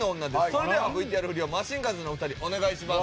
それではＶＴＲ振りをマシンガンズのお二人お願いします。